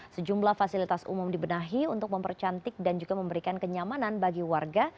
sejumlah fasilitas umum dibenahi untuk mempercantik dan juga memberikan kenyamanan bagi warga